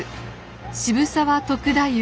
渋沢篤太夫